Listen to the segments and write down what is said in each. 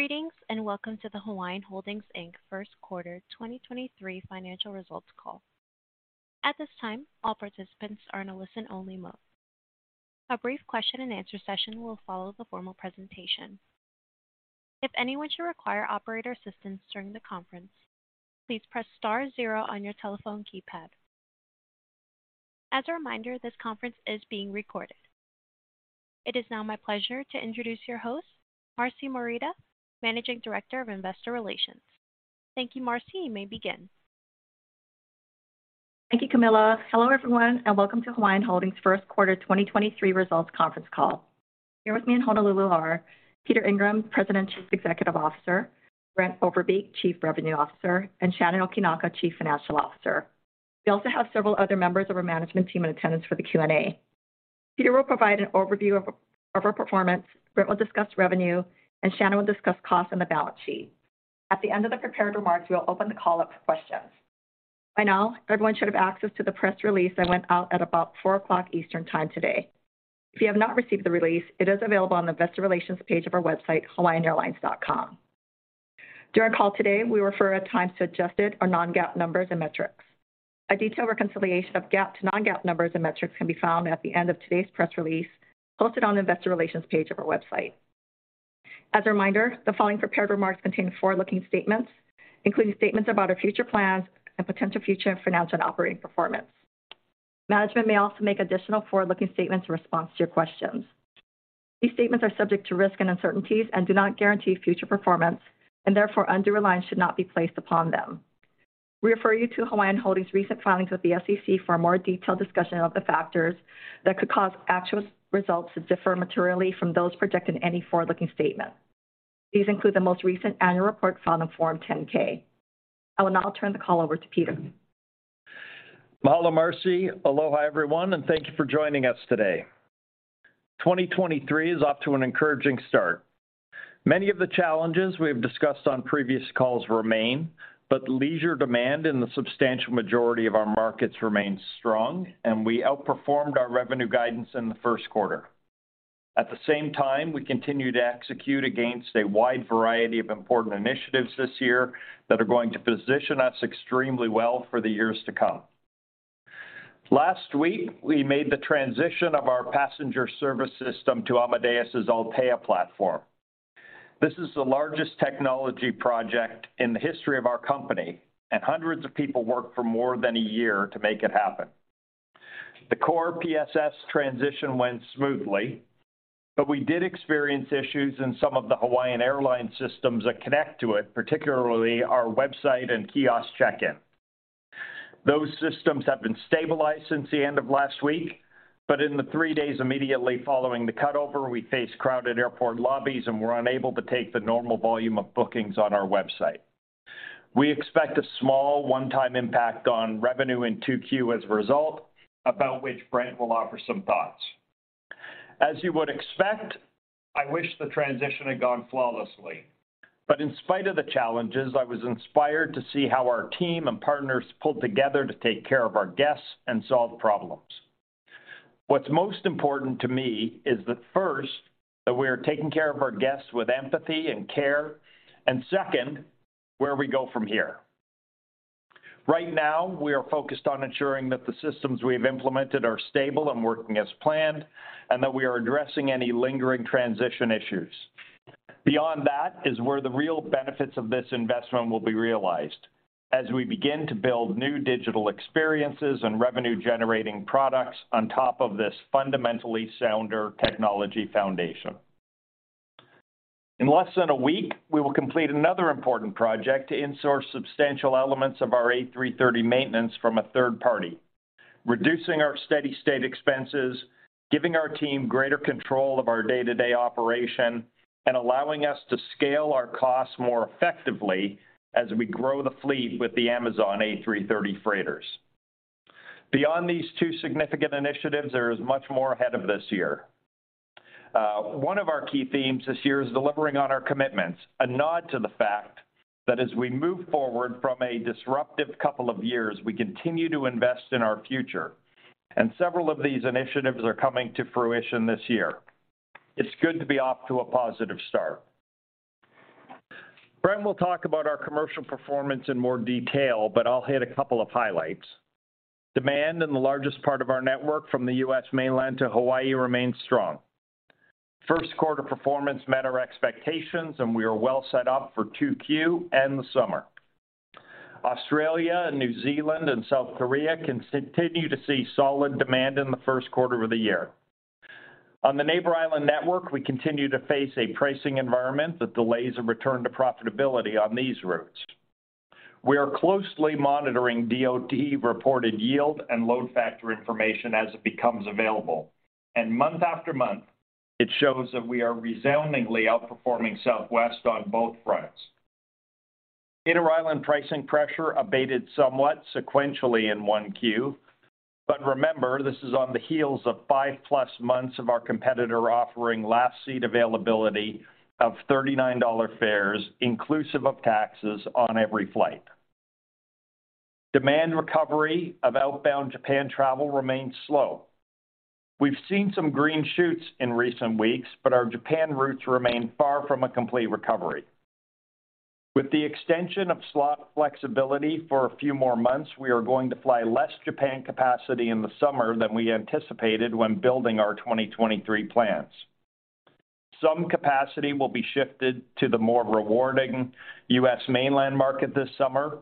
Greetings, welcome to the Hawaiian Holdings, Inc. First Quarter 2023 Financial Results Call. At this time, all participants are in a listen-only mode. A brief question-and-answer session will follow the formal presentation. If anyone should require operator assistance during the conference, please press star zero on your telephone keypad. As a reminder, this conference is being recorded. It is now my pleasure to introduce your host, Marcy Morita, Managing Director of Investor Relations. Thank you, Marcy. You may begin. Thank you, Camila. Hello, everyone, welcome to Hawaiian Holdings First Quarter 2023 Results Conference Call. Here with me in Honolulu are Peter Ingram, President and Chief Executive Officer, Brent Overbeek, Chief Revenue Officer, and Shannon Okinaka, Chief Financial Officer. We also have several other members of our management team in attendance for the Q&A. Peter will provide an overview of our performance, Brent will discuss revenue, and Shannon will discuss costs and the balance sheet. At the end of the prepared remarks, we will open the call up for questions. By now, everyone should have access to the press release that went out at about 4 o'clock Eastern Time today. If you have not received the release, it is available on the Investor Relations page of our website, hawaiianairlines.com. During the call today, we refer at times to adjusted or non-GAAP numbers and metrics. A detailed reconciliation of GAAP to non-GAAP numbers and metrics can be found at the end of today's press release posted on the Investor Relations page of our website. As a reminder, the following prepared remarks contain forward-looking statements, including statements about our future plans and potential future financial and operating performance. Management may also make additional forward-looking statements in response to your questions. These statements are subject to risk and uncertainties and do not guarantee future performance, and therefore, undue reliance should not be placed upon them. We refer you to Hawaiian Holdings' recent filings with the SEC for a more detailed discussion of the factors that could cause actual results to differ materially from those projected in any forward-looking statement. These include the most recent annual report found on Form 10-K. I will now turn the call over to Peter. Mahalo, Marcy. Aloha, everyone, and thank you for joining us today. 2023 is off to an encouraging start. Many of the challenges we have discussed on previous calls remain, but leisure demand in the substantial majority of our markets remains strong, and we outperformed our revenue guidance in the first quarter. At the same time, we continue to execute against a wide variety of important initiatives this year that are going to position us extremely well for the years to come. Last week, we made the transition of our passenger service system to Amadeus's Altéa platform. This is the largest technology project in the history of our company, and hundreds of people worked for more than a year to make it happen. The core PSS transition went smoothly, but we did experience issues in some of the Hawaiian Airlines systems that connect to it, particularly our website and kiosk check-in. Those systems have been stabilized since the end of last week, but in the three days immediately following the cutover, we faced crowded airport lobbies and were unable to take the normal volume of bookings on our website. We expect a small one-time impact on revenue in two Q as a result, about which Brent will offer some thoughts. As you would expect, I wish the transition had gone flawlessly. In spite of the challenges, I was inspired to see how our team and partners pulled together to take care of our guests and solve problems. What's most important to me is that, first, that we are taking care of our guests with empathy and care, and second, where we go from here. Right now, we are focused on ensuring that the systems we have implemented are stable and working as planned, and that we are addressing any lingering transition issues. Beyond that is where the real benefits of this investment will be realized as we begin to build new digital experiences and revenue-generating products on top of this fundamentally sounder technology foundation. In less than a week, we will complete another important project to in-source substantial elements of our A330 maintenance from a third party, reducing our steady-state expenses, giving our team greater control of our day-to-day operation, and allowing us to scale our costs more effectively as we grow the fleet with the Amazon A330 freighters. Beyond these two significant initiatives, there is much more ahead of this year. One of our key themes this year is delivering on our commitments, a nod to the fact that as we move forward from a disruptive couple of years, we continue to invest in our future, and several of these initiatives are coming to fruition this year. It's good to be off to a positive start. Brent will talk about our commercial performance in more detail, but I'll hit a couple of highlights. Demand in the largest part of our network from the U.S. mainland to Hawaii remains strong. First quarter performance met our expectations, and we are well set up for two Q and the summer. Australia and New Zealand and South Korea continue to see solid demand in the first quarter of the year. On the Neighbor Island network, we continue to face a pricing environment that delays a return to profitability on these routes. We are closely monitoring DOT-reported yield and load factor information as it becomes available. Month after month, it shows that we are resoundingly outperforming Southwest on both fronts. Inter-island pricing pressure abated somewhat sequentially in 1Q. Remember, this is on the heels of 5-plus months of our competitor offering last-seat availability of $39 fares inclusive of taxes on every flight. Demand recovery of outbound Japan travel remains slow. We've seen some green shoots in recent weeks, but our Japan routes remain far from a complete recovery. With the extension of slot flexibility for a few more months, we are going to fly less Japan capacity in the summer than we anticipated when building our 2023 plans. Some capacity will be shifted to the more rewarding U.S. mainland market this summer,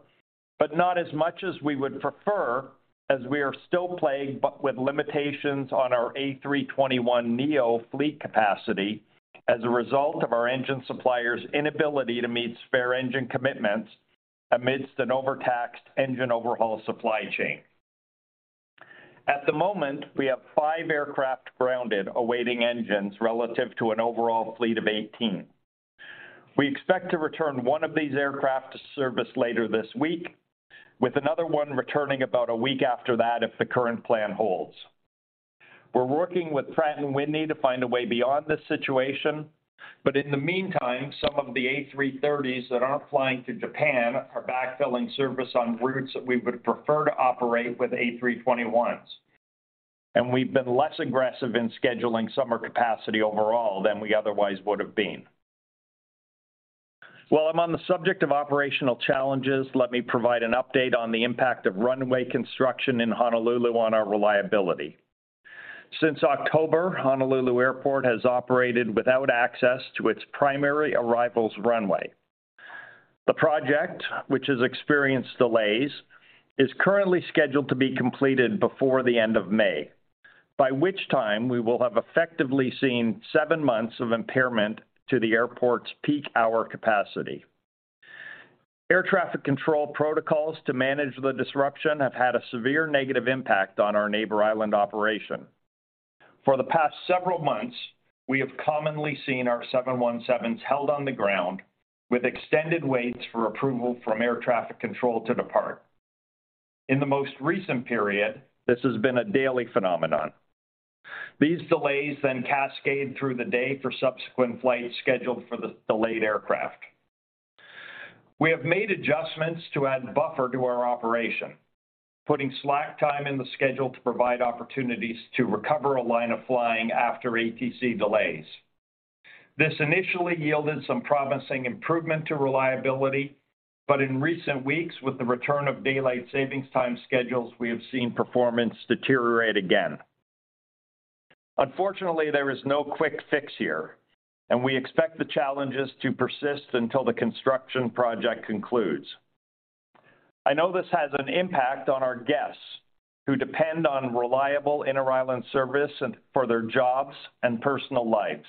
but not as much as we would prefer, as we are still plagued with limitations on our A321neo fleet capacity as a result of our engine supplier's inability to meet spare engine commitments amidst an overtaxed engine overhaul supply chain. At the moment, we have five aircraft grounded awaiting engines relative to an overall fleet of 18. We expect to return one of these aircraft to service later this week, with another one returning about a week after that if the current plan holds. We're working with Pratt & Whitney to find a way beyond this situation, but in the meantime, some of the A330s that aren't flying to Japan are backfilling service on routes that we would prefer to operate with A321s. We've been less aggressive in scheduling summer capacity overall than we otherwise would have been. While I'm on the subject of operational challenges, let me provide an update on the impact of runway construction in Honolulu on our reliability. Since October, Honolulu Airport has operated without access to its primary arrivals runway. The project, which has experienced delays, is currently scheduled to be completed before the end of May, by which time we will have effectively seen 7 months of impairment to the airport's peak hour capacity. Air traffic control protocols to manage the disruption have had a severe negative impact on our Neighbor Island operation. For the past several months, we have commonly seen our 717s held on the ground with extended waits for approval from air traffic control to depart. In the most recent period, this has been a daily phenomenon. These delays cascade through the day for subsequent flights scheduled for the delayed aircraft. We have made adjustments to add buffer to our operation, putting slack time in the schedule to provide opportunities to recover a line of flying after ATC delays. This initially yielded some promising improvement to reliability, in recent weeks, with the return of daylight savings time schedules, we have seen performance deteriorate again. Unfortunately, there is no quick fix here. We expect the challenges to persist until the construction project concludes. I know this has an impact on our guests who depend on reliable inter-island service and for their jobs and personal lives.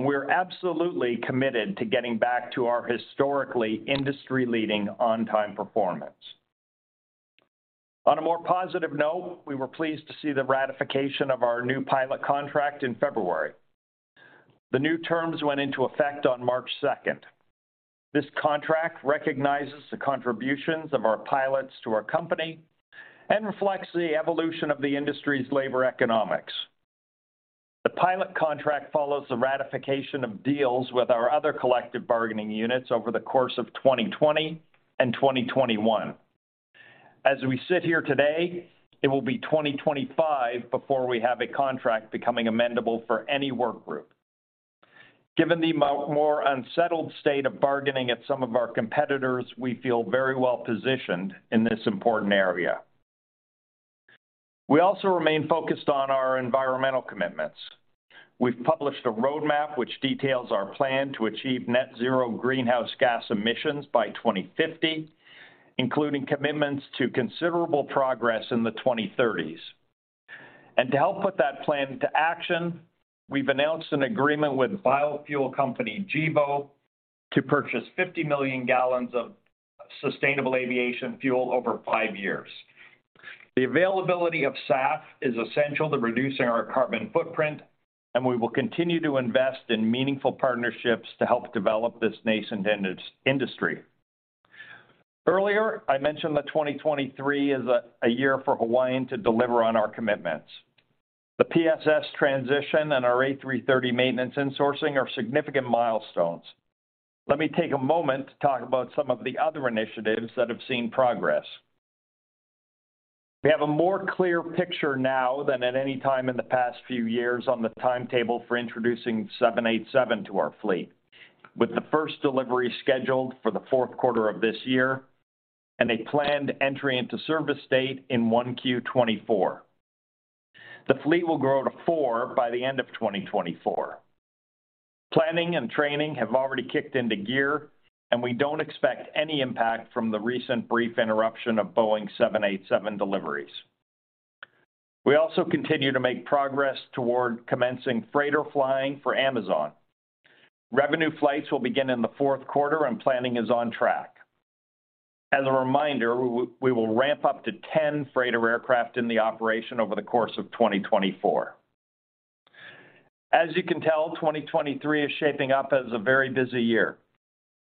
We are absolutely committed to getting back to our historically industry-leading on-time performance. On a more positive note, we were pleased to see the ratification of our new pilot contract in February. The new terms went into effect on March 2nd. This contract recognizes the contributions of our pilots to our company and reflects the evolution of the industry's labor economics. The pilot contract follows the ratification of deals with our other collective bargaining units over the course of 2020 and 2021. As we sit here today, it will be 2025 before we have a contract becoming amendable for any work group. Given the more unsettled state of bargaining at some of our competitors, we feel very well-positioned in this important area. We also remain focused on our environmental commitments. We've published a roadmap which details our plan to achieve net zero greenhouse gas emissions by 2050, including commitments to considerable progress in the 2030s. To help put that plan to action, we've announced an agreement with biofuel company Gevo to purchase 50 million gallons of sustainable aviation fuel over 5 years. The availability of SAF is essential to reducing our carbon footprint, and we will continue to invest in meaningful partnerships to help develop this nascent industry. Earlier, I mentioned that 2023 is a year for Hawaiian to deliver on our commitments. The PSS transition and our A330 maintenance insourcing are significant milestones. Let me take a moment to talk about some of the other initiatives that have seen progress. We have a more clear picture now than at any time in the past few years on the timetable for introducing 787 to our fleet, with the first delivery scheduled for the fourth quarter of this year and a planned entry into service date in 1Q 2024. The fleet will grow to 4 by the end of 2024. Planning and training have already kicked into gear. We don't expect any impact from the recent brief interruption of Boeing's 787 deliveries. We also continue to make progress toward commencing freighter flying for Amazon. Revenue flights will begin in the fourth quarter. Planning is on track. As a reminder, we will ramp up to 10 freighter aircraft in the operation over the course of 2024. As you can tell, 2023 is shaping up as a very busy year.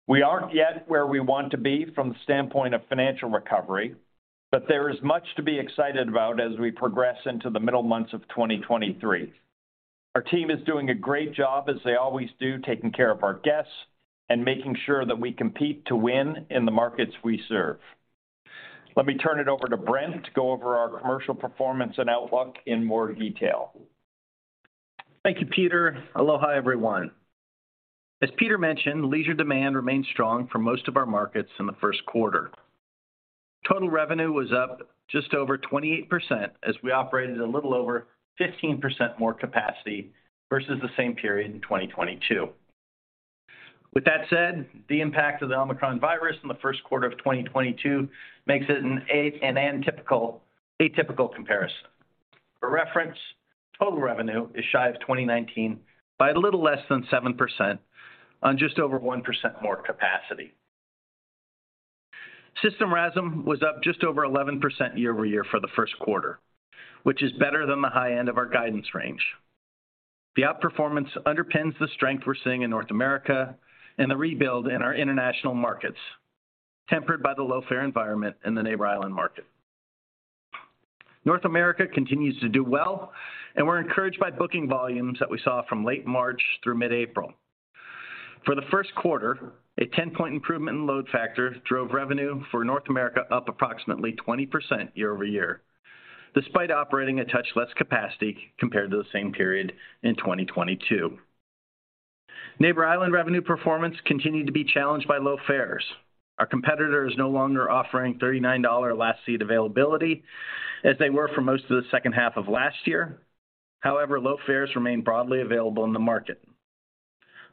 We aren't yet where we want to be from the standpoint of financial recovery, but there is much to be excited about as we progress into the middle months of 2023. Our team is doing a great job as they always do, taking care of our guests and making sure that we compete to win in the markets we serve. Let me turn it over to Brent to go over our commercial performance and outlook in more detail. Thank you, Peter. Aloha, everyone. As Peter mentioned, leisure demand remains strong for most of our markets in the first quarter. Total revenue was up just over 28% as we operated a little over 15% more capacity versus the same period in 2022. With that said, the impact of the Omicron virus in the first quarter of 2022 makes it an atypical comparison. For reference, total revenue is shy of 2019 by a little less than 7% on just over 1% more capacity. System RASM was up just over 11% year-over-year for the first quarter, which is better than the high end of our guidance range. The outperformance underpins the strength we're seeing in North America and the rebuild in our international markets, tempered by the low fare environment in the Neighbor Island market. North America continues to do well, and we're encouraged by booking volumes that we saw from late March through mid-April. For the first quarter, a 10-point improvement in load factor drove revenue for North America up approximately 20% year-over-year, despite operating a touch less capacity compared to the same period in 2022. Neighbor Island revenue performance continued to be challenged by low fares. Our competitor is no longer offering $39 last seat availability as they were for most of the second half of last year. Low fares remain broadly available in the market.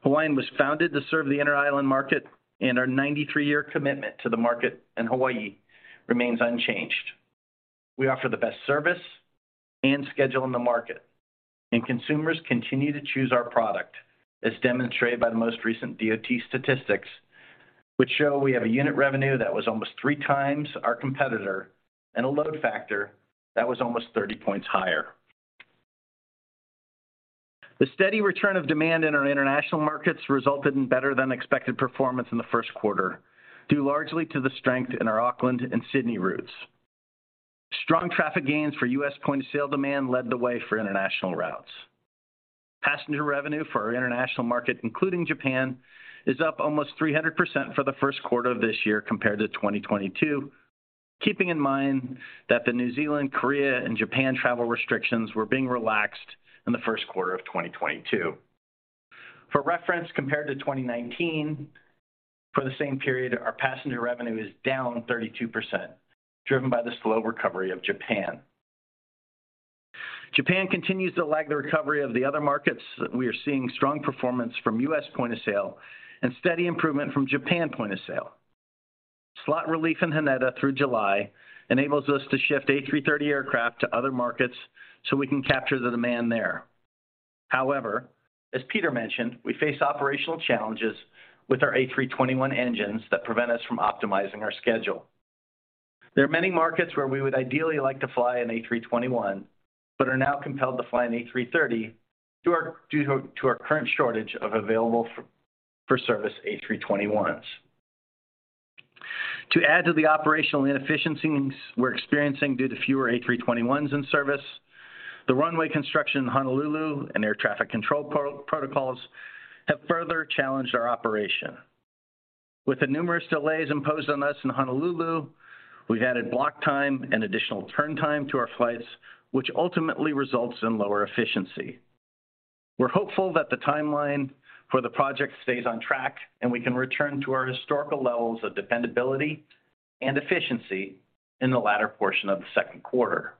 Hawaiian was founded to serve the Inter-island market, and our 93-year commitment to the market in Hawaii remains unchanged. We offer the best service and schedule in the market, and consumers continue to choose our product, as demonstrated by the most recent DOT statistics, which show we have a unit revenue that was almost 3 times our competitor and a load factor that was almost 30 points higher. The steady return of demand in our international markets resulted in better-than-expected performance in the first quarter, due largely to the strength in our Auckland and Sydney routes. Strong traffic gains for U.S. point-of-sale demand led the way for international routes. Passenger revenue for our international market, including Japan, is up almost 300% for the first quarter of this year compared to 2022, keeping in mind that the New Zealand, Korea, and Japan travel restrictions were being relaxed in the first quarter of 2022. For reference, compared to 2019 for the same period, our passenger revenue is down 32%, driven by the slow recovery of Japan. Japan continues to lag the recovery of the other markets. We are seeing strong performance from U.S. point of sale and steady improvement from Japan point of sale. Slot relief in Haneda through July enables us to shift A330 aircraft to other markets so we can capture the demand there. As Peter mentioned, we face operational challenges with our A321 engines that prevent us from optimizing our schedule. There are many markets where we would ideally like to fly an A321, but are now compelled to fly an A330 due to our current shortage of available for service A321s. To add to the operational inefficiencies we're experiencing due to fewer A321s in service, the runway construction in Honolulu and air traffic control protocols have further challenged our operation. With the numerous delays imposed on us in Honolulu, we've added block time and additional turn time to our flights, which ultimately results in lower efficiency. We're hopeful that the timeline for the project stays on track and we can return to our historical levels of dependability and efficiency in the latter portion of the second quarter.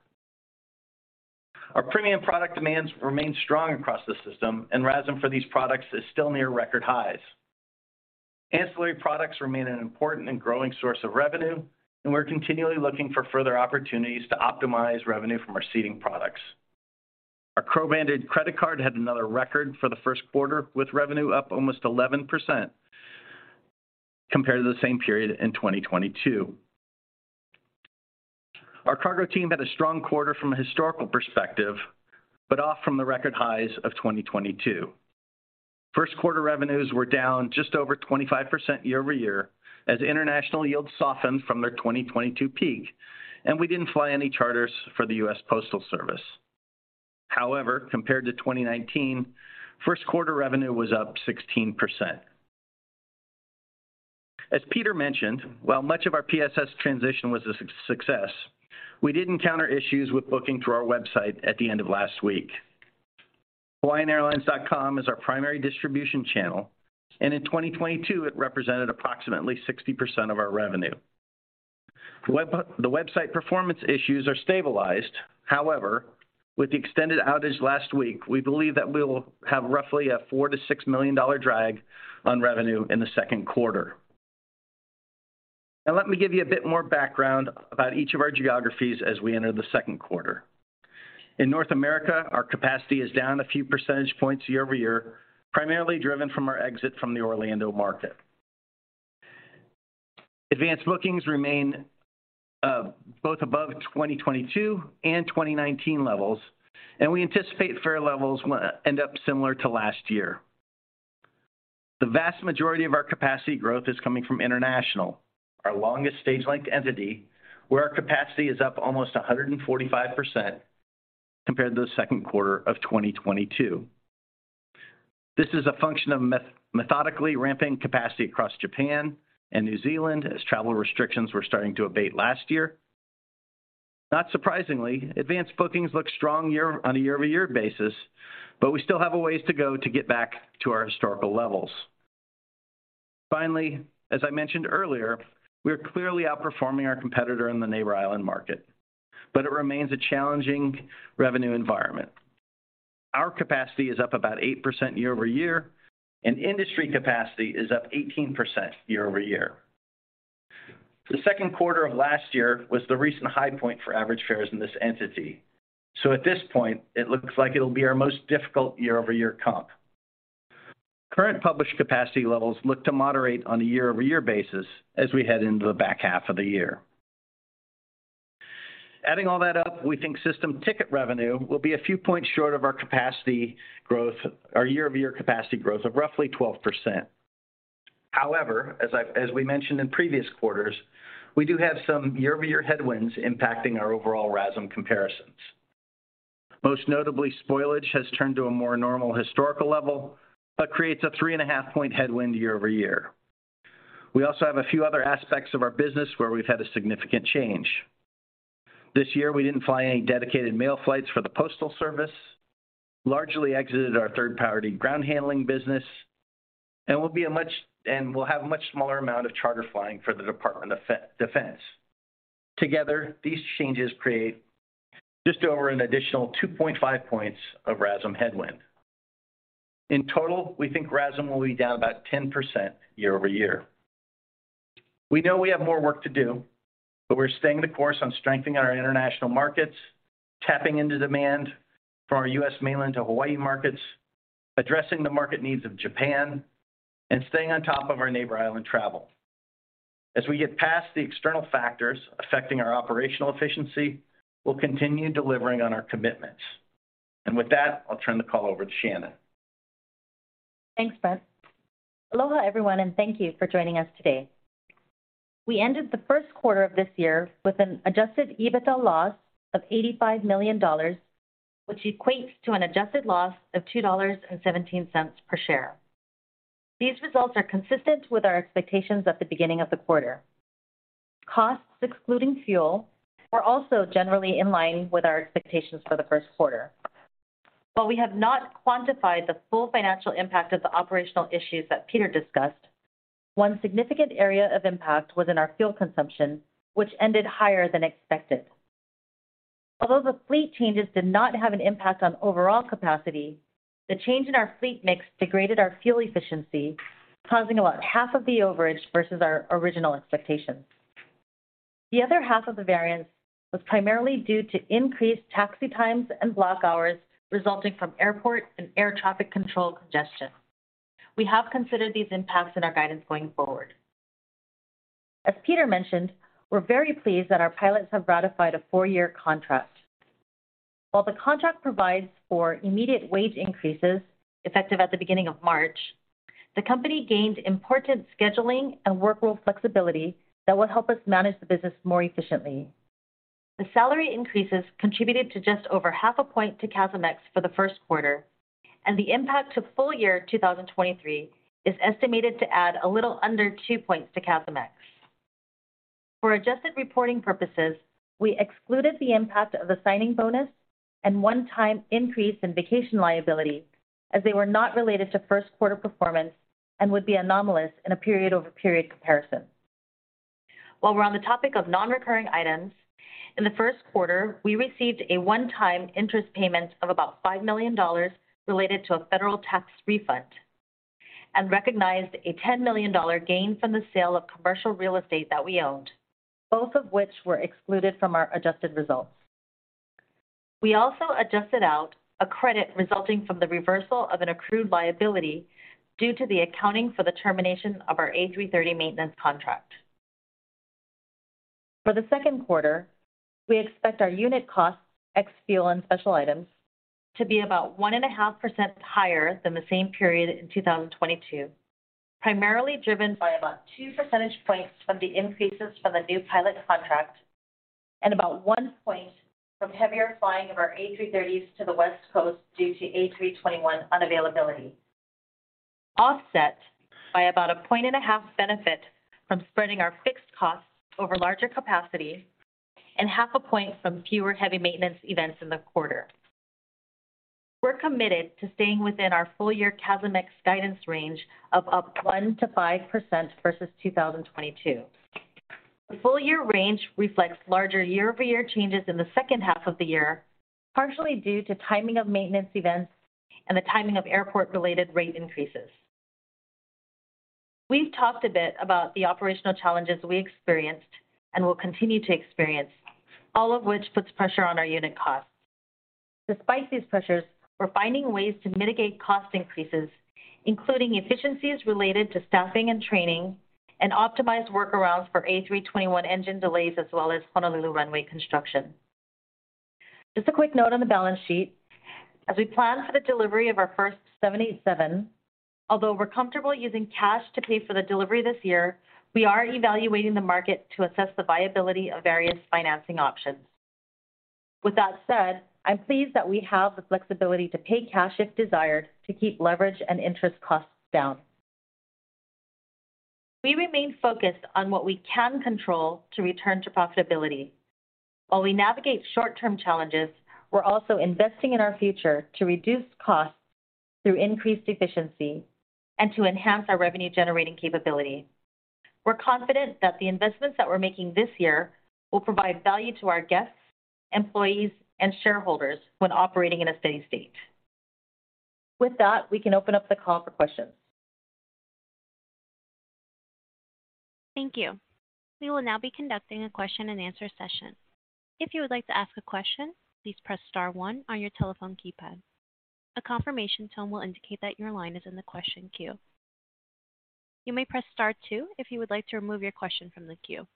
Our premium product demands remain strong across the system. RASM for these products is still near record highs. Ancillary products remain an important and growing source of revenue. We're continually looking for further opportunities to optimize revenue from our seating products. Our co-branded credit card had another record for the first quarter, with revenue up almost 11% compared to the same period in 2022. Our cargo team had a strong quarter from a historical perspective, off from the record highs of 2022. First quarter revenues were down just over 25% year-over-year as international yields softened from their 2022 peak, and we didn't fly any charters for the US Postal Service. Compared to 2019, first quarter revenue was up 16%. As Peter mentioned, while much of our PSS transition was a success, we did encounter issues with booking through our website at the end of last week. HawaiianAirlines.com is our primary distribution channel, and in 2022, it represented approximately 60% of our revenue. The website performance issues are stabilized. However, with the extended outage last week, we believe that we will have roughly a $4 million-$6 million drag on revenue in the second quarter. Now, let me give you a bit more background about each of our geographies as we enter the second quarter. In North America, our capacity is down a few percentage points year-over-year, primarily driven from our exit from the Orlando market. Advanced bookings remain both above 2022 and 2019 levels, and we anticipate fare levels will end up similar to last year. The vast majority of our capacity growth is coming from international, our longest stage length entity, where our capacity is up almost 145% compared to the second quarter of 2022. This is a function of methodically ramping capacity across Japan and New Zealand as travel restrictions were starting to abate last year. Not surprisingly, advanced bookings look strong on a year-over-year basis, we still have a ways to go to get back to our historical levels. Finally, as I mentioned earlier, we are clearly outperforming our competitor in the Neighbor Island market, it remains a challenging revenue environment. Our capacity is up about 8% year-over-year, industry capacity is up 18% year-over-year. The second quarter of last year was the recent high point for average fares in this entity. At this point, it looks like it'll be our most difficult year-over-year comp. Current published capacity levels look to moderate on a year-over-year basis as we head into the back half of the year. Adding all that up, we think system ticket revenue will be a few points short of our year-over-year capacity growth of roughly 12%. However, as we mentioned in previous quarters, we do have some year-over-year headwinds impacting our overall RASM comparisons. Most notably, spoilage has turned to a more normal historical level, but creates a 3.5 point headwind year-over-year. We also have a few other aspects of our business where we've had a significant change. This year, we didn't fly any dedicated mail flights for the Postal Service, largely exited our third-party ground handling business, and will have a much smaller amount of charter flying for the Department of Defense. Together, these changes create just over an additional 2.5 points of RASM headwind. In total, we think RASM will be down about 10% year-over-year. We know we have more work to do, but we're staying the course on strengthening our international markets, tapping into demand for our U.S. mainland to Hawaii markets, addressing the market needs of Japan, and staying on top of our Neighbor Island travel. As we get past the external factors affecting our operational efficiency, we'll continue delivering on our commitments. With that, I'll turn the call over to Shannon. Thanks, Brent. Aloha, everyone, and thank you for joining us today. We ended the first quarter of this year with an adjusted EBITDA loss of $85 million, which equates to an adjusted loss of $2.17 per share. These results are consistent with our expectations at the beginning of the quarter. Costs excluding fuel were also generally in line with our expectations for the first quarter. While we have not quantified the full financial impact of the operational issues that Peter discussed, one significant area of impact was in our fuel consumption, which ended higher than expected. Although the fleet changes did not have an impact on overall capacity, the change in our fleet mix degraded our fuel efficiency, causing about half of the overage versus our original expectations. The other half of the variance was primarily due to increased taxi times and block hours resulting from airport and air traffic control congestion. We have considered these impacts in our guidance going forward. As Peter mentioned, we're very pleased that our pilots have ratified a four-year contract. While the contract provides for immediate wage increases effective at the beginning of March, the company gained important scheduling and work rule flexibility that will help us manage the business more efficiently. The salary increases contributed to just over half a point to CASM-ex for the first quarter. The impact to full year 2023 is estimated to add a little under 2 points to CASM-ex. For adjusted reporting purposes, we excluded the impact of the signing bonus and one-time increase in vacation liability as they were not related to first quarter performance and would be anomalous in a period-over-period comparison. While we're on the topic of non-recurring items, in the first quarter, we received a one-time interest payment of about $5 million related to a federal tax refund and recognized a $10 million gain from the sale of commercial real estate that we owned, both of which were excluded from our adjusted results. We also adjusted out a credit resulting from the reversal of an accrued liability due to the accounting for the termination of our A330 maintenance contract. For the second quarter, we expect our unit costs, ex fuel and special items, to be about 1.5% higher than the same period in 2022, primarily driven by about 2 percentage points from the increases from the new pilot contract and about 1 point from heavier flying of our A330s to the West Coast due to A321 unavailability, offset by about 1.5 point benefit from spreading our fixed costs over larger capacity and 0.5 point from fewer heavy maintenance events in the quarter. We're committed to staying within our full-year CASM-ex guidance range of up 1%-5% versus 2022. The full-year range reflects larger year-over-year changes in the second half of the year, partially due to timing of maintenance events and the timing of airport-related rate increases. We've talked a bit about the operational challenges we experienced and will continue to experience, all of which puts pressure on our unit costs. Despite these pressures, we're finding ways to mitigate cost increases, including efficiencies related to staffing and training and optimized workarounds for A321 engine delays as well as Honolulu runway construction. Just a quick note on the balance sheet. As we plan for the delivery of our first 787, although we're comfortable using cash to pay for the delivery this year, we are evaluating the market to assess the viability of various financing options. With that said, I'm pleased that we have the flexibility to pay cash if desired to keep leverage and interest costs down. We remain focused on what we can control to return to profitability. While we navigate short-term challenges, we're also investing in our future to reduce costs through increased efficiency and to enhance our revenue-generating capability. We're confident that the investments that we're making this year will provide value to our guests, employees, and shareholders when operating in a steady state. With that, we can open up the call for questions. Thank you. We will now be conducting a question-and-answer session. If you would like to ask a question, please press star one on your telephone keypad. A confirmation tone will indicate that your line is in the question queue. You may press star two if you would like to remove your question from the queue.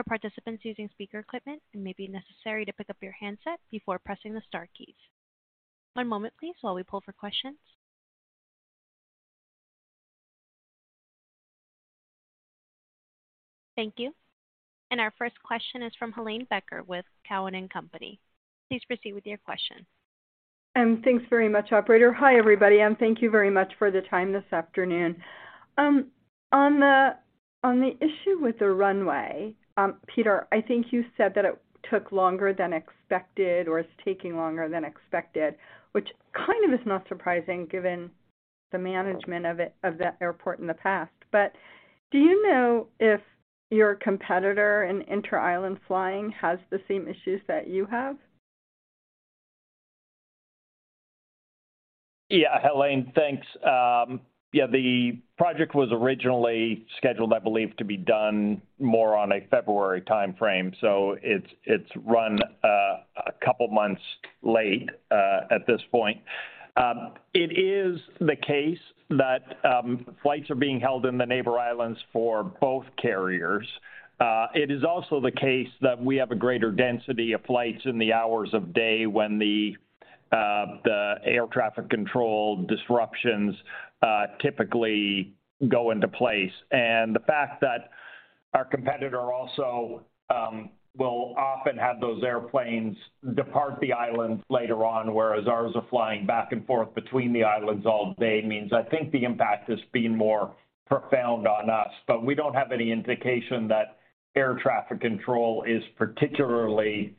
For participants using speaker equipment, it may be necessary to pick up your handset before pressing the star keys. One moment please while we pull for questions. Thank you. Our first question is from Helane Becker with Cowen and Company. Please proceed with your question. Thanks very much, operator. Hi, everybody, thank you very much for the time this afternoon. On the issue with the runway, Peter, I think you said that it took longer than expected or is taking longer than expected, which kind of is not surprising given the management of that airport in the past. Do you know if your competitor in inter-island flying has the same issues that you have? Yeah. Helane, thanks. Yeah, the project was originally scheduled, I believe, to be done more on a February timeframe, so it's run a couple months late at this point. It is the case that flights are being held in the neighbor islands for both carriers. It is also the case that we have a greater density of flights in the hours of day when the air traffic control disruptions typically go into place. The fact that our competitor also will often have those airplanes depart the islands later on, whereas ours are flying back and forth between the islands all day means I think the impact has been more profound on us. We don't have any indication that air traffic control is particularly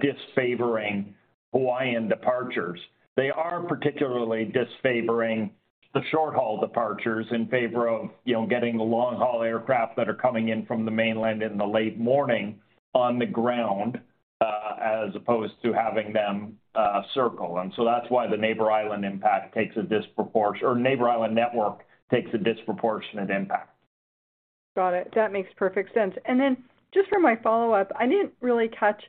disfavoring Hawaiian departures. They are particularly disfavoring the short-haul departures in favor of, you know, getting the long-haul aircraft that are coming in from the mainland in the late morning on the ground, as opposed to having them circle. That's why the neighbor island network takes a disproportionate impact. Got it. That makes perfect sense. Just for my follow-up, I didn't really catch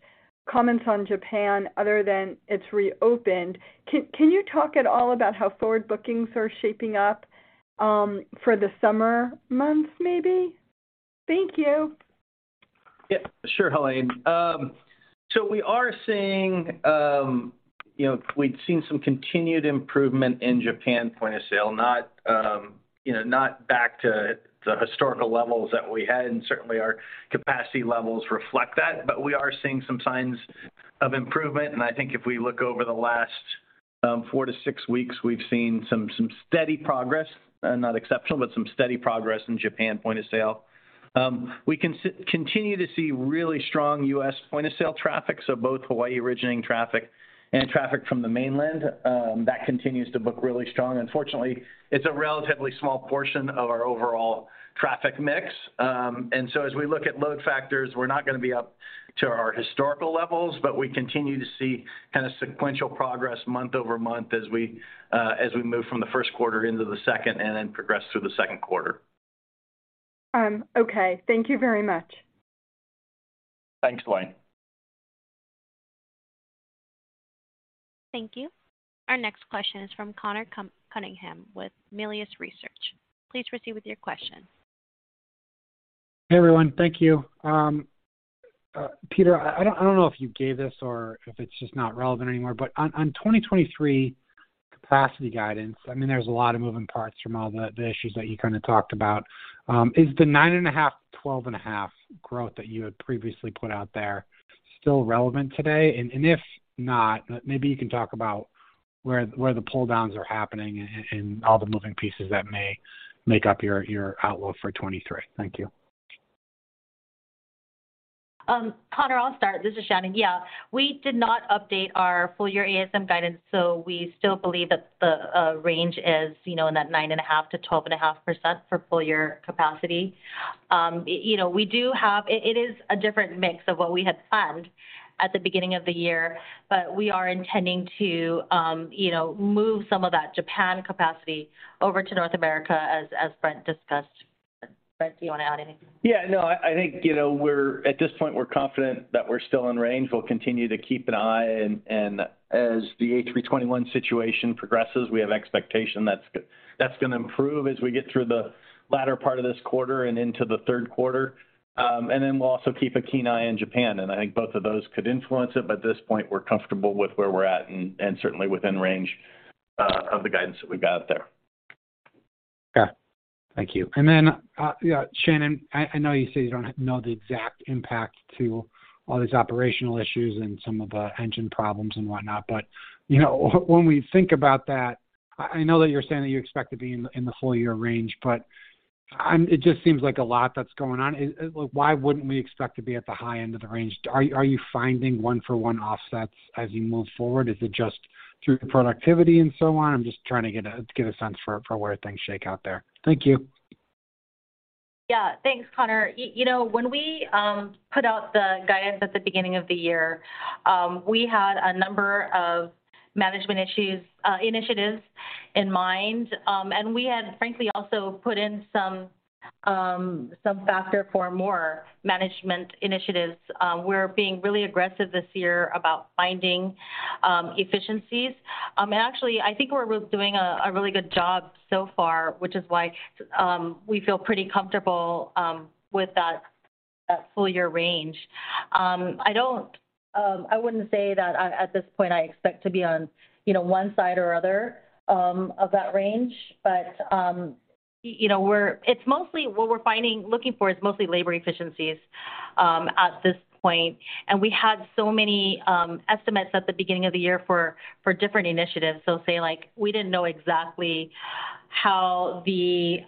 comments on Japan other than it's reopened. Can you talk at all about how forward bookings are shaping up for the summer months, maybe? Thank you. Yeah. Sure, Helane. We are seeing, you know, we'd seen some continued improvement in Japan point of sale, not, you know, not back to the historical levels that we had, and certainly our capacity levels reflect that. We are seeing some signs of improvement, and I think if we look over the last four to six weeks, we've seen some steady progress. Not exceptional, but some steady progress in Japan point of sale. We continue to see really strong US point of sale traffic, so both Hawaii-originating traffic and traffic from the mainland. That continues to book really strong. Unfortunately, it's a relatively small portion of our overall traffic mix. As we look at load factors, we're not gonna be up to our historical levels, but we continue to see kinda sequential progress month-over-month as we move from the first quarter into the second and then progress through the second quarter. okay. Thank you very much. Thanks, Helane. Thank you. Our next question is from Conor Cunningham with Melius Research. Please proceed with your question. Hey, everyone. Thank you. Peter, I don't know if you gave this or if it's just not relevant anymore, but on 2023 capacity guidance, I mean, there's a lot of moving parts from all the issues that you kinda talked about. Is the 9.5%-12.5% growth that you had previously put out there still relevant today? If not, maybe you can talk about where the pulldowns are happening and all the moving pieces that may make up your outlook for 23. Thank you. Conor, I'll start. This is Shannon. Yeah. We did not update our full year ASM guidance. We still believe that the range is, you know, in that 9.5%-12.5% for full year capacity. You know, we do have, it is a different mix of what we had planned at the beginning of the year, but we are intending to, you know, move some of that Japan capacity over to North America as Brent discussed. Brent, do you wanna add anything? Yeah. No. I think, you know, at this point we're confident that we're still in range. We'll continue to keep an eye and as the A321 situation progresses, we have expectation that's gonna improve as we get through the latter part of this quarter and into the third quarter. Then we'll also keep a keen eye in Japan, and I think both of those could influence it, but at this point we're comfortable with where we're at and certainly within range of the guidance that we've got there. Okay. Thank you. Yeah, Shannon, I know you say you don't know the exact impact to all these operational issues and some of the engine problems and whatnot, but, you know, when we think about that, I know that you're saying that you expect to be in the full year range, but it just seems like a lot that's going on. Like, why wouldn't we expect to be at the high end of the range? Are you finding one-for-one offsets as you move forward? Is it just through productivity and so on? I'm just trying to get a sense for where things shake out there. Thank you. Yeah. Thanks, Conor. You know, when we put out the guidance at the beginning of the year, we had a number of management initiatives in mind. We had, frankly, also put in some factor for more management initiatives. We're being really aggressive this year about finding efficiencies. Actually, I think we're re-doing a really good job so far, which is why we feel pretty comfortable with that full year range. I don't. I wouldn't say that at this point I expect to be on, you know, one side or other of that range. You know, it's mostly what we're looking for is mostly labor efficiencies at this point. We had so many estimates at the beginning of the year for different initiatives. Say like, we didn't know exactly how the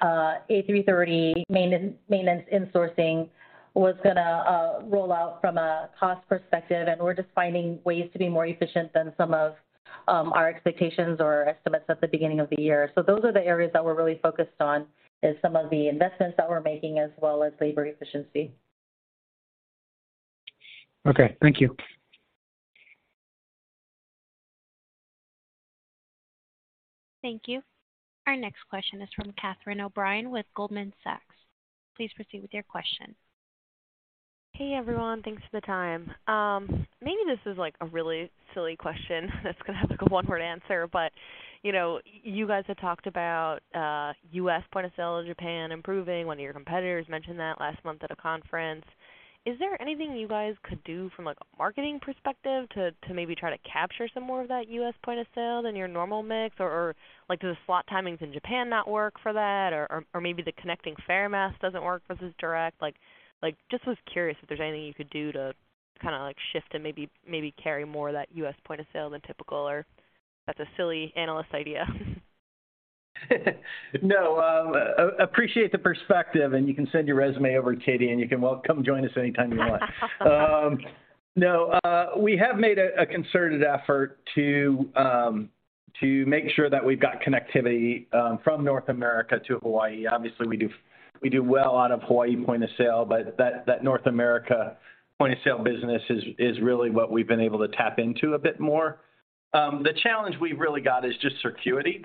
A330 maintenance insourcing was gonna roll out from a cost perspective, and we're just finding ways to be more efficient than some of our expectations or estimates at the beginning of the year. Those are the areas that we're really focused on, is some of the investments that we're making, as well as labor efficiency. Okay. Thank you. Thank you. Our next question is from Catherine O'Brien with Goldman Sachs. Please proceed with your question. Hey, everyone. Thanks for the time. Maybe this is, like, a really silly question that's gonna have, like, a one-word answer. You know, you guys have talked about U.S. point of sale in Japan improving. One of your competitors mentioned that last month at a conference. Is there anything that you guys could do from, like, a marketing perspective to maybe try to capture some more of that U.S. point of sale than your normal mix? Or, like, do the slot timings in Japan not work for that? Or maybe the connecting fare mask doesn't work versus direct? Like, just was curious if there's anything you could do to kinda, like, shift and maybe carry more of that U.S. point of sale than typical, or that's a silly analyst idea. No. Appreciate the perspective, you can send your resume over to Katie, and you can welcome join us anytime you want. No. We have made a concerted effort to make sure that we've got connectivity from North America to Hawaii. Obviously, we do well out of Hawaii point of sale, that North America point of sale business is really what we've been able to tap into a bit more. The challenge we've really got is just circuity.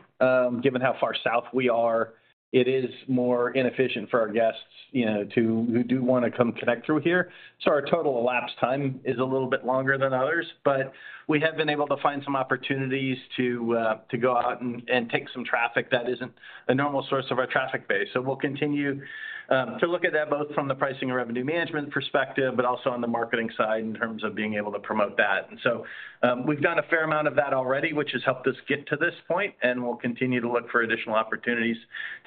Given how far south we are, it is more inefficient for our guests, you know, who do wanna come connect through here. Our total elapsed time is a little bit longer than others. We have been able to find some opportunities to go out and take some traffic that isn't a normal source of our traffic base. We'll continue to look at that both from the pricing and revenue management perspective, but also on the marketing side in terms of being able to promote that. We've done a fair amount of that already, which has helped us get to this point, and we'll continue to look for additional opportunities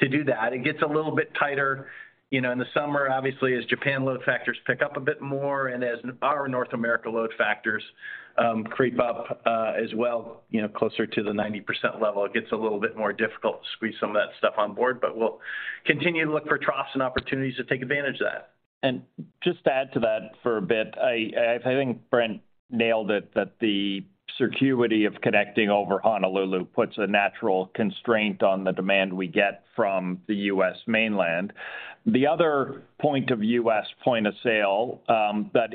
to do that. It gets a little bit tighter, you know, in the summer, obviously, as Japan load factors pick up a bit more and as our North America load factors creep up as well, you know, closer to the 90% level. It gets a little bit more difficult to squeeze some of that stuff on board, but we'll continue to look for troughs and opportunities to take advantage of that. Just to add to that for a bit. I think Brent nailed it, that the circuity of connecting over Honolulu puts a natural constraint on the demand we get from the U.S. mainland. The other point of U.S. point of sale, that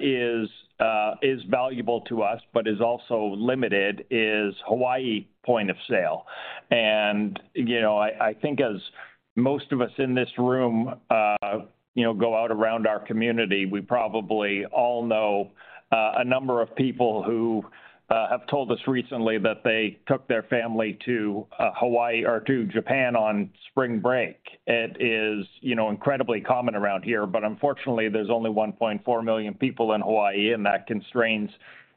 is valuable to us, but is also limited, is Hawaii point of sale. You know, I think as most of us in this room, you know, go out around our community, we probably all know, a number of people who have told us recently that they took their family to Hawaii or to Japan on spring break. It is, you know, incredibly common around here, but unfortunately, there's only 1.4 million people in Hawaii, and that constrains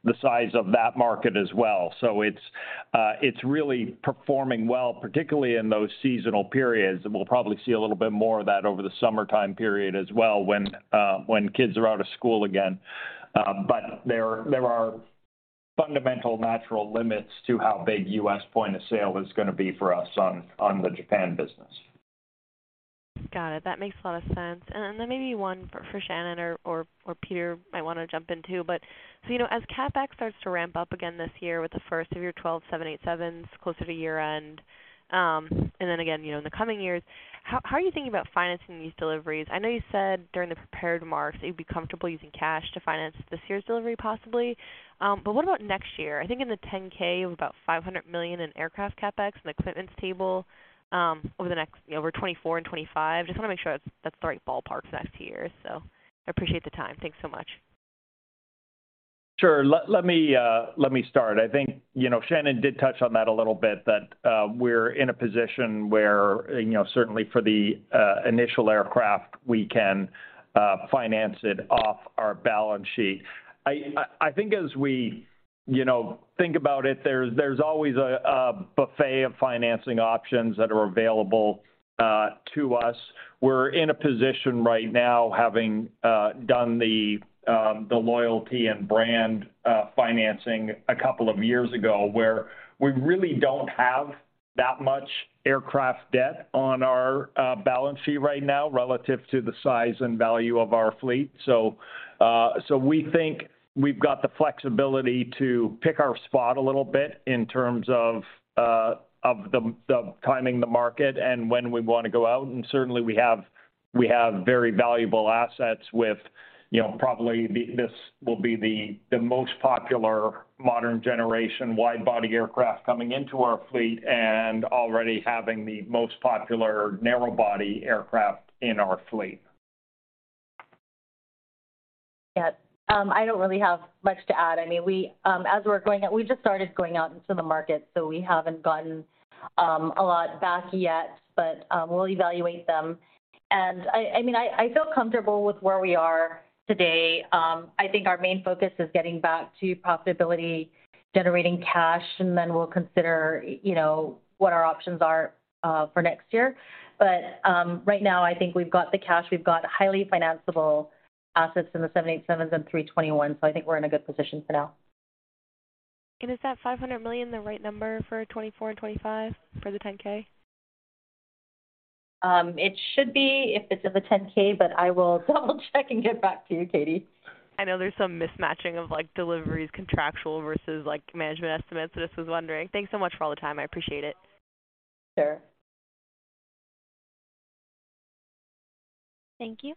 the size of that market as well. It's really performing well, particularly in those seasonal periods, and we'll probably see a little bit more of that over the summertime period as well when kids are out of school again. There are fundamental natural limits to how big U.S. point of sale is gonna be for us on the Japan business. Got it. That makes a lot of sense. Maybe one for Shannon or, or Peter might wanna jump in too. You know, as CapEx starts to ramp up again this year with the first of your 12 787s closer to year-end, and then again, you know, in the coming years, how are you thinking about financing these deliveries? I know you said during the prepared remarks that you'd be comfortable using cash to finance this year's delivery, possibly. What about next year? I think in the 10-K, you have about $500 million in aircraft CapEx and equipments table, over the next, you know, over 2024 and 2025. Just wanna make sure that's the right ballpark for next year. I appreciate the time. Thanks so much. Sure. Let me start. I think, you know, Shannon did touch on that a little bit, that we're in a position where, you know, certainly for the initial aircraft, we can finance it off our balance sheet. I think as we you know, think about it. There's always a buffet of financing options that are available to us. We're in a position right now, having done the loyalty and brand financing 2 years ago, where we really don't have that much aircraft debt on our balance sheet right now relative to the size and value of our fleet. We think we've got the flexibility to pick our spot a little bit in terms of the timing, the market, and when we wanna go out. Certainly we have very valuable assets with, you know, probably this will be the most popular modern generation wide-body aircraft coming into our fleet and already having the most popular narrow-body aircraft in our fleet. Yes. I don't really have much to add. I mean, we, as we're going out, we just started going out into the market, so we haven't gotten a lot back yet, but we'll evaluate them. I mean, I feel comfortable with where we are today. I think our main focus is getting back to profitability, generating cash, and then we'll consider, you know, what our options are for next year. Right now I think we've got the cash, we've got highly financiable assets in the 787s and A321s, so I think we're in a good position for now. Is that $500 million the right number for 2024 and 2025 for the 10-K? It should be if it's of a 10-K, but I will double-check and get back to you, Katie. I know there's some mismatching of like deliveries contractual versus like management estimates. Just was wondering. Thanks so much for all the time. I appreciate it. Sure. Thank you.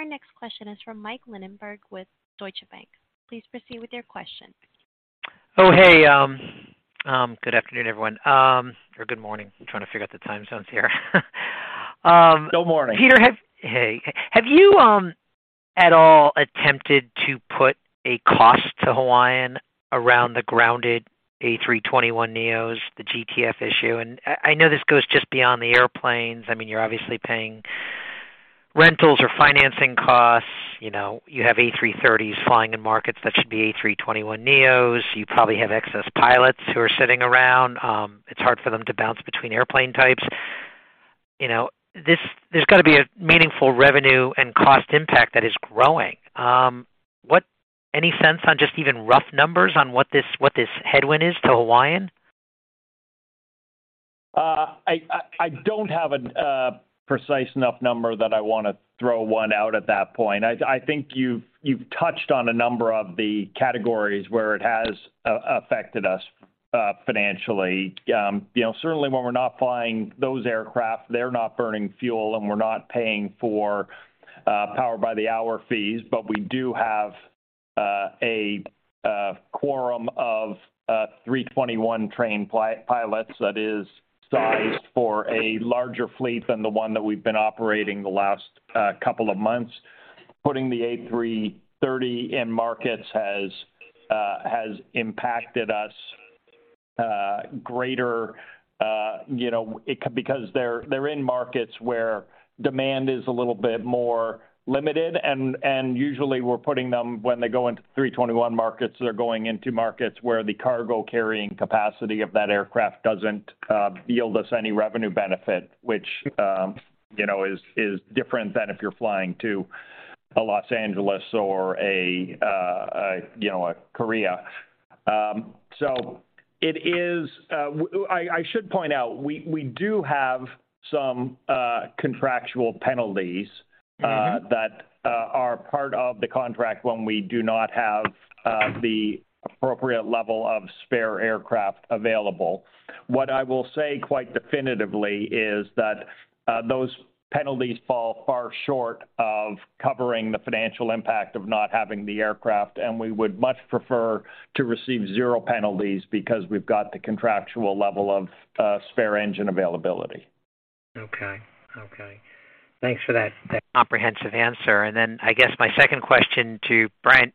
Our next question is from Mike Linenberg with Deutsche Bank. Please proceed with your question. Oh, hey, good afternoon, everyone, or good morning. I'm trying to figure out the time zones here. Good morning. Peter, Hey. Have you at all attempted to put a cost to Hawaiian around the grounded A321neos, the GTF issue? I know this goes just beyond the airplanes. I mean, you're obviously paying rentals or financing costs. You know, you have A330s flying in markets that should be A321neos. You probably have excess pilots who are sitting around. It's hard for them to bounce between airplane types. You know, this, there's got to be a meaningful revenue and cost impact that is growing. What any sense on just even rough numbers on what this, what this headwind is to Hawaiian? I don't have a precise enough number that I wanna throw one out at that point. I think you've touched on a number of the categories where it has affected us financially. You know, certainly when we're not flying those aircraft, they're not burning fuel, and we're not paying for power by the hour fees. we do have a quorum of 321 trained pilots that is sized for a larger fleet than the one that we've been operating the last couple of months. Putting the A330 in markets has impacted us greater, you know, because they're in markets where demand is a little bit more limited, and usually we're putting them, when they go into A321 markets, they're going into markets where the cargo carrying capacity of that aircraft doesn't yield us any revenue benefit, which, you know, is different than if you're flying to a Los Angeles or a Korea. It is... I should point out, we do have some contractual penalties...... that are part of the contract when we do not have the appropriate level of spare aircraft available. What I will say quite definitively is that those penalties fall far short of covering the financial impact of not having the aircraft, and we would much prefer to receive zero penalties because we've got the contractual level of spare engine availability. Okay. Okay. Thanks for that comprehensive answer. I guess my second question to Brent.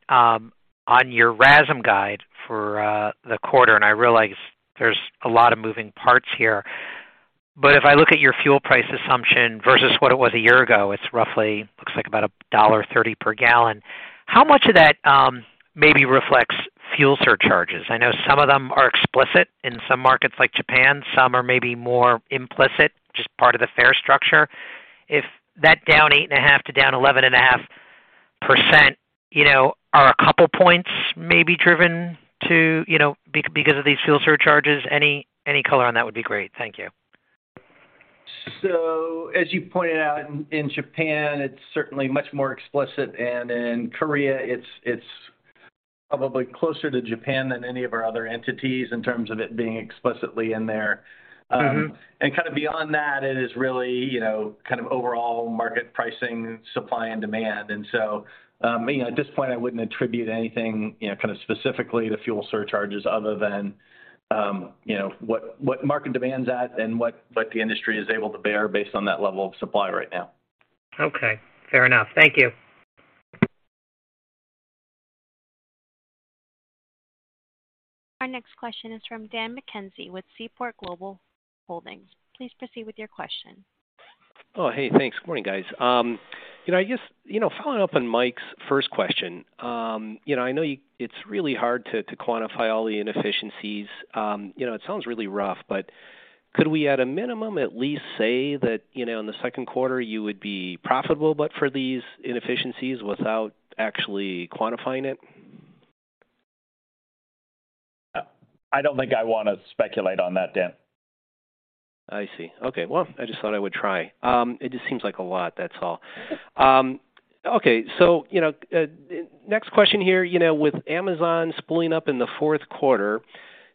On your RASM guide for the quarter, and I realize there's a lot of moving parts here, but if I look at your fuel price assumption versus what it was a year ago, it's roughly looks like about $1.30 per gallon. How much of that maybe reflects fuel surcharges? I know some of them are explicit in some markets like Japan. Some are maybe more implicit, just part of the fare structure. If that down 8.5 to down 11.5, you know, are a couple points maybe driven because of these fuel surcharges? Any color on that would be great. Thank you. As you pointed out, in Japan, it's certainly much more explicit, and in Korea it's probably closer to Japan than any of our other entities in terms of it being explicitly in there kind of beyond that, it is really, you know, kind of overall market pricing, supply and demand. you know, at this point, I wouldn't attribute anything, you know, kind of specifically to fuel surcharges other than, you know, what market demand's at and what the industry is able to bear based on that level of supply right now. Okay. Fair enough. Thank you. Our next question is from Dan McKenzie with Seaport Global Securities. Please proceed with your question. Hey, thanks. Morning, guys. You know, I guess, you know, following up on Mike's first question, you know, I know it's really hard to quantify all the inefficiencies. You know, it sounds really rough, but could we at a minimum at least say that, you know, in the second quarter you would be profitable but for these inefficiencies without actually quantifying it? I don't think I wanna speculate on that, Dan. I see. Okay. Well, I just thought I would try. It just seems like a lot, that's all. Okay. you know, next question here, you know, with Amazon spooling up in the fourth quarter,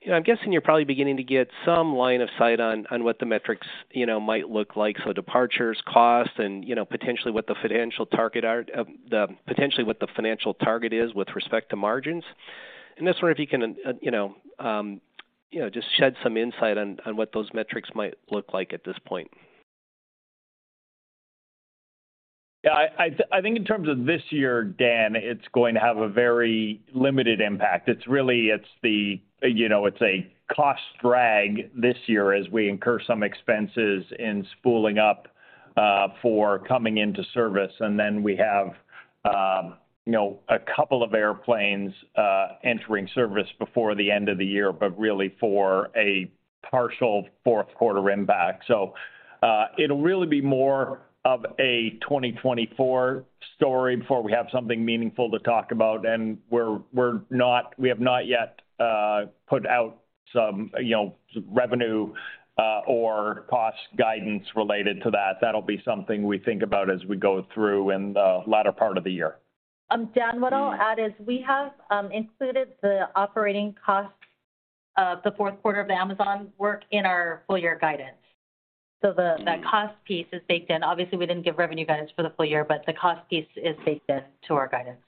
you know, I'm guessing you're probably beginning to get some line of sight on what the metrics, you know, might look like. Departures, costs, and, you know, potentially what the financial target is with respect to margins. I was wondering if you can, you know, just shed some insight on what those metrics might look like at this point. Yeah, I think in terms of this year, Dan, it's going to have a very limited impact. It's really, you know, it's a cost drag this year as we incur some expenses in spooling up for coming into service. We have, you know, a couple of airplanes entering service before the end of the year, but really for a partial fourth quarter impact. It'll really be more of a 2024 story before we have something meaningful to talk about, and we have not yet put out some, you know, revenue or cost guidance related to that. That'll be something we think about as we go through in the latter part of the year. Dan, what I'll add is we have included the operating cost of the fourth quarter of Amazon work in our full year guidance. That cost piece is baked in. Obviously, we didn't give revenue guidance for the full year, but the cost piece is baked in to our guidance.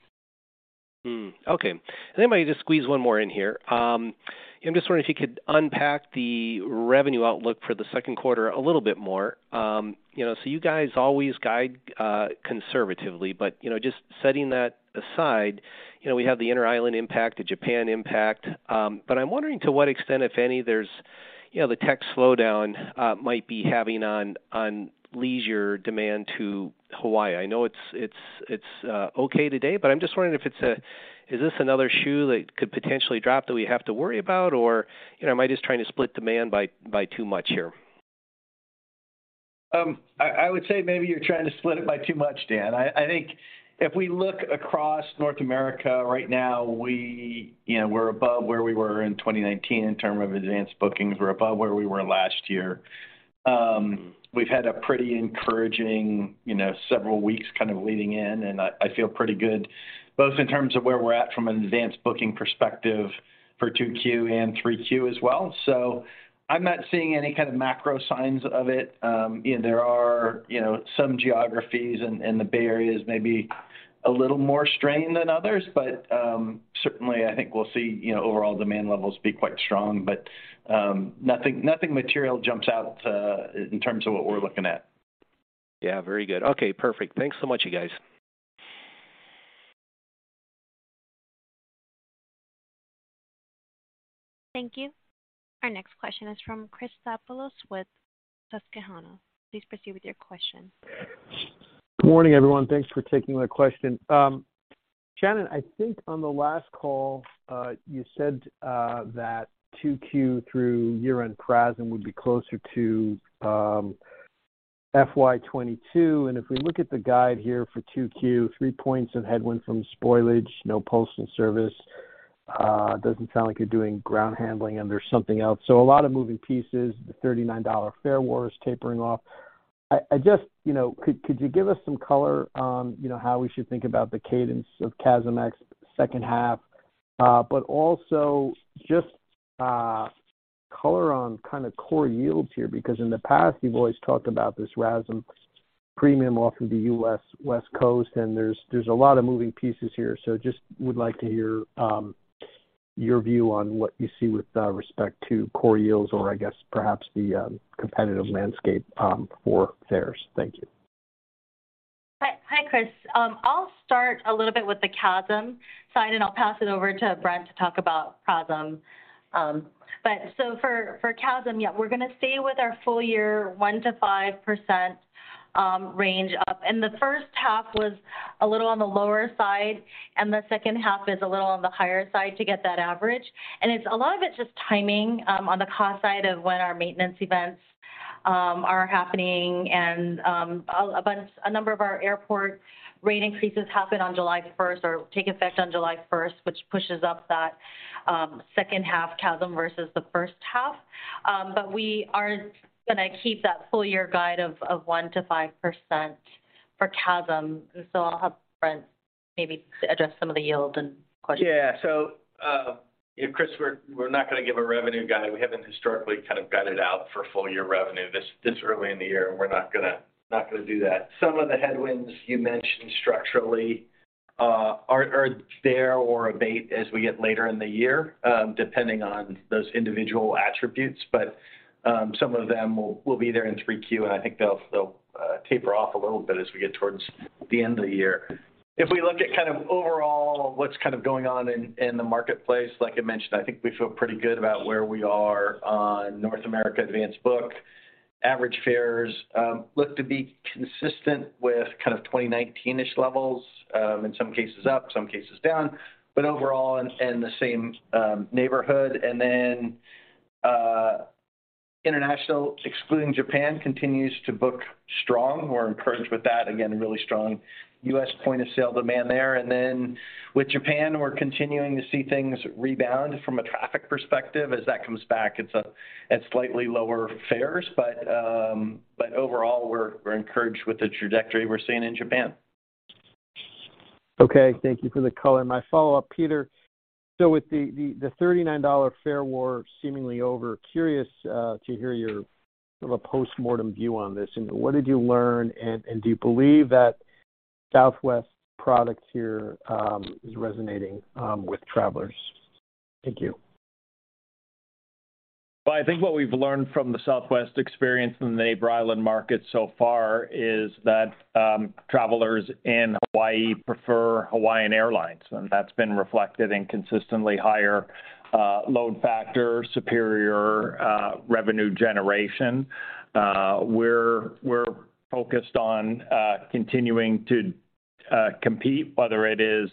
Okay. Let me just squeeze one more in here. I'm just wondering if you could unpack the revenue outlook for the second quarter a little bit more. You know, you guys always guide conservatively, but, you know, just setting that aside, you know, we have the Interisland impact, the Japan impact, I'm wondering to what extent, if any, there's, you know, the tech slowdown might be having on leisure demand to Hawaii. I know it's okay today, but I'm just wondering is this another shoe that could potentially drop that we have to worry about? Am I just trying to split demand by too much here? I would say maybe you're trying to split it by too much, Dan. I think if we look across North America right now, you know, we're above where we were in 2019 in term of advanced bookings. We're above where we were last year. We've had a pretty encouraging, you know, several weeks kind of leading in, and I feel pretty good both in terms of where we're at from an advanced booking perspective for 2Q and 3Q as well. I'm not seeing any kind of macro signs of it. There are, you know, some geographies and the Bay Area is maybe a little more strained than others. Certainly I think we'll see, you know, overall demand levels be quite strong. Nothing material jumps out in terms of what we're looking at. Yeah, very good. Okay, perfect. Thanks so much, you guys. Thank you. Our next question is from Chris Stathoulopoulos with Susquehanna. Please proceed with your question. Good morning, everyone. Thanks for taking my question. Shannon, I think on the last call, you said that 2Q through year-end PRASM would be closer to FY 2022. If we look at the guide here for 2Q, 3 points of headwind from spoilage, no pulse in service, doesn't sound like you're doing ground handling, and there's something else. A lot of moving pieces. The $39 fare war is tapering off. I just, you know, could you give us some color on, you know, how we should think about the cadence of CASM-ex second half? Also just color on kind of core yields here, because in the past, you've always talked about this RASM premium off of the U.S. West Coast, and there's a lot of moving pieces here. Just would like to hear your view on what you see with respect to core yields or I guess perhaps the competitive landscape for fares. Thank you. Hi, Chris. I'll start a little bit with the CASM side, and I'll pass it over to Brent to talk about PRASM. For CASM, yeah, we're gonna stay with our full year 1%-5% range up. The first half was a little on the lower side, and the second half is a little on the higher side to get that average. It's a lot of it just timing on the cost side of when our maintenance events are happening, a number of our airport rate increases happen on July first or take effect on July first, which pushes up that second-half CASM versus the first half. We are gonna keep that full year guide of 1%-5% for CASM. I'll have Brent maybe address some of the yield and question. Chris, we're not gonna give a revenue guide. We haven't historically got it out for full year revenue this early in the year, and we're not gonna do that. Some of the headwinds you mentioned structurally, are there or abate as we get later in the year, depending on those individual attributes. Some of them will be there in 3Q, and I think they'll taper off a little bit as we get towards the end of the year. If we look at overall what's going on in the marketplace, like I mentioned, I think we feel pretty good about where we are on North America advanced book. Average fares look to be consistent with 2019-ish levels. In some cases up, some cases down, but overall in the same neighborhood. International, excluding Japan, continues to book strong. We're encouraged with that. Again, really strong U.S. point of sale demand there. With Japan, we're continuing to see things rebound from a traffic perspective as that comes back. It's at slightly lower fares, but overall we're encouraged with the trajectory we're seeing in Japan. Okay. Thank you for the color. My follow-up, Peter, so with the $39 fare war seemingly over, curious to hear your sort of a postmortem view on this. What did you learn, and do you believe that Southwest Airlines here is resonating with travelers? Thank you. Well, I think what we've learned from the Southwest experience in the Neighbor Island market so far is that travelers in Hawaii prefer Hawaiian Airlines, and that's been reflected in consistently higher load factor, superior revenue generation. We're focused on continuing to compete, whether it is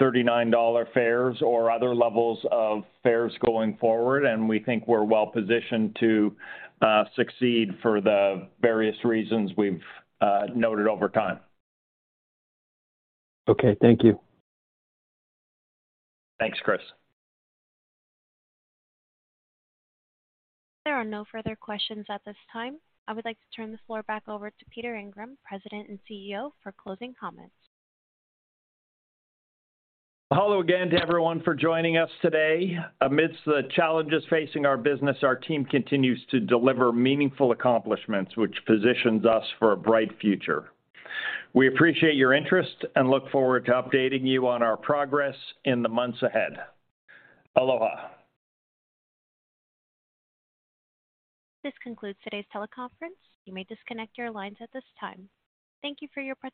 $39 fares or other levels of fares going forward, and we think we're well-positioned to succeed for the various reasons we've noted over time. Okay. Thank you. Thanks, Chris. There are no further questions at this time. I would like to turn the floor back over to Peter Ingram, President and CEO, for closing comments. Mahalo again to everyone for joining us today. Amidst the challenges facing our business, our team continues to deliver meaningful accomplishments which positions us for a bright future. We appreciate your interest and look forward to updating you on our progress in the months ahead. Aloha. This concludes today's teleconference. You may disconnect your lines at this time. Thank you for your participation.